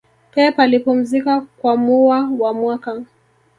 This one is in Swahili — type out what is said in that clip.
pep alipumzika kwa muwa wa mwaka